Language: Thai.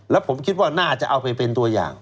แล้วผมคิดว่าน่าจะเอาไปเป็นตัวอย่าง